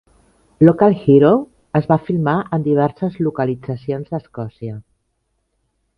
"Local Hero" es va filmar en diverses localitzacions d'Escòssia.